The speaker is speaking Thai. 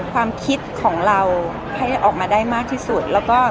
ความคิดของเราให้ออกมาได้มากที่สุดแล้วก็